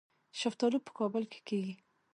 شفتالو په کابل کې کیږي